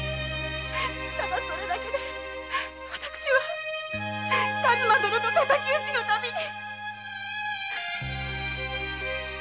ただそれだけで私は数馬殿と敵討ちの旅に。